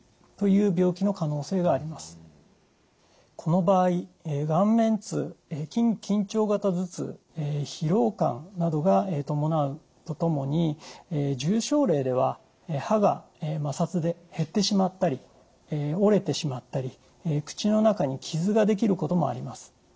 この場合顔面痛緊張型頭痛疲労感などが伴うとともに重症例では歯が摩擦で減ってしまったり折れてしまったり口の中に傷ができることもあります。